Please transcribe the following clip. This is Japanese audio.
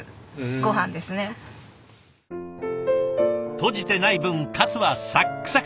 とじてない分カツはサックサク！